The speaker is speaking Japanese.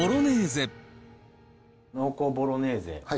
濃厚ボロネーゼ。